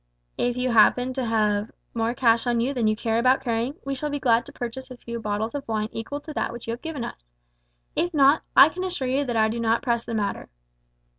If you happen to have more cash on you than you care about carrying we shall be glad to purchase a few bottles of wine equal to that which you have given us. If not, I can assure you that I do not press the matter.".